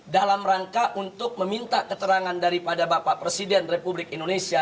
dalam rangka untuk meminta keterangan daripada bapak presiden republik indonesia